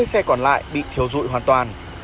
hai mươi xe còn lại bị thiêu dụi hoàn toàn